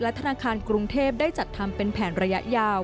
ธนาคารกรุงเทพได้จัดทำเป็นแผนระยะยาว